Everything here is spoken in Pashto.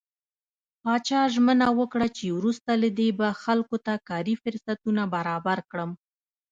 پاچا ژمنه وکړه چې وروسته له دې به خلکو ته کاري فرصتونه برابر کوم .